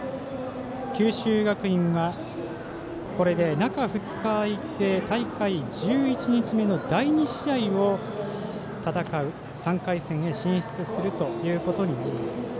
九州学院は、これで中２日空いて大会１１日目の第２試合を戦う３回戦へ進出するということになります。